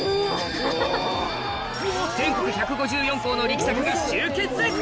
全国１５４校の力作が集結！